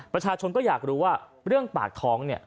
ประชาชนก็อยากรู้ว่าเรื่องปากท้องเนี่ย